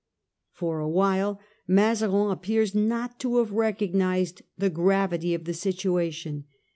1648. For a while Mazarin appears not to have recognised the gravity of the situation.